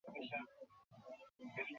Crane দিয়ে বাইর করতে হবে, কখনও হাত, কখনও পা!